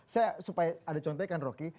saya supaya ada contek kan rocky